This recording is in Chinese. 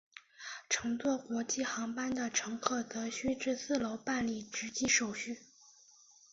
乘坐国际航班的乘客则需至四楼办理值机手续。